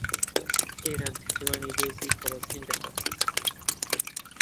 ئێران پشتیوانیی دۆزی فەڵەستین دەکات.